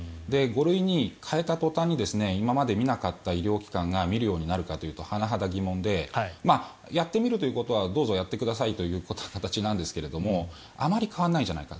５類に変えた途端に今まで診なかった医療機関が診るようになるかというと甚だ疑問でやってみるということはどうぞやってみてくださいという形なんですがあまり変わらないんじゃないか。